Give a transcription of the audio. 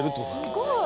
すごい！